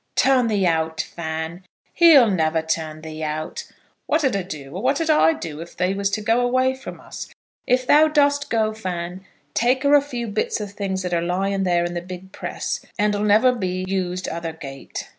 "Turn thee out, Fan! He'll never turn thee out. What 'd a do, or what 'd I do if thee was to go away from us? If thou dost go, Fan, take her a few bits of things that are lying there in the big press, and 'll never be used other gait.